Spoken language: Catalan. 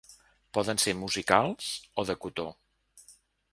Poden ser musicals o de cotó.